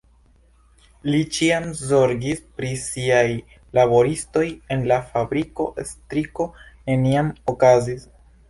Li ĉiam zorgis pri siaj laboristoj, en la fabriko striko neniam okazis.